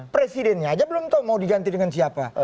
presidennya aja belum tahu mau diganti dengan siapa